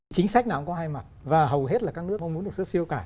chính sách nào cũng có hai mặt và hầu hết là các nước không muốn được xuất siêu cả